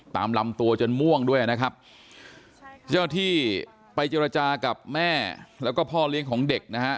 ตามลำตัวจนม่วงด้วยนะครับเจ้าที่ไปเจรจากับแม่แล้วก็พ่อเลี้ยงของเด็กนะฮะ